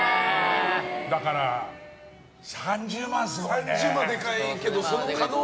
だから３０万、すごいね。